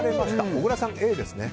小倉さん、Ａですね。